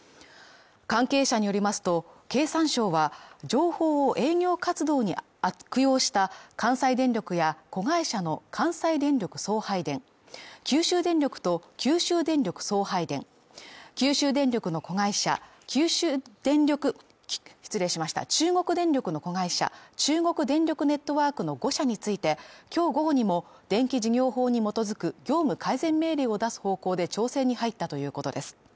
関係者によりますと、経産省は情報を営業活動に悪用した関西電力や、子会社の関西電力送配電九州電力と九州電力送配電中国電力の子会社中国電力ネットワークの５社について今日午後にも電気事業法に基づく業務改善命令を出す方向で調整に入ったということです。